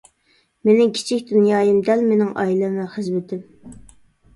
مېنىڭ كىچىك دۇنيايىم دەل مېنىڭ ئائىلەم ۋە خىزمىتىم.